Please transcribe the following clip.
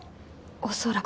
恐らく。